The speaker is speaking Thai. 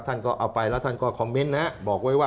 ท่านก็เอาไปแล้วท่านก็คอมเมนต์นะ